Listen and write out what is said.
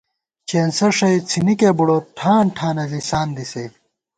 چېنسہ ݭَئ څِھنِکےبُڑوت ، ٹھان ٹھانہ لِساندی سے